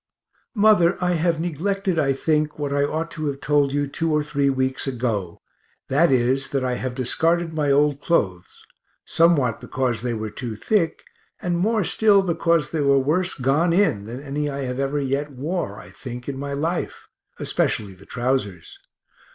Mother, I have neglected, I think, what I ought to have told you two or three weeks ago, that is that I have discarded my old clothes somewhat because they were too thick, and more still because they were worse gone in than any I have ever yet wore, I think, in my life, especially the trowsers.